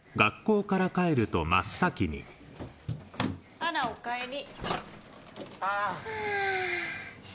あらおかえり。